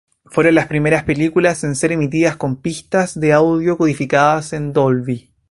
Fueron las primeras películas en ser emitidas con pistas de audio codificadas en Dolby.